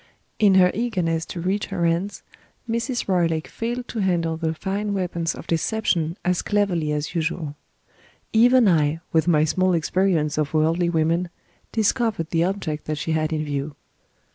In her eagerness to reach her ends, Mrs. Roylake failed to handle the fine weapons of deception as cleverly as usual. Even I, with my small experience of worldly women, discovered the object that she had in view.